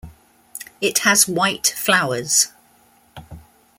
It has white flowers.